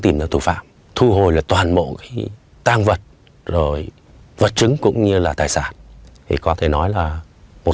trên trần nhà thạch cao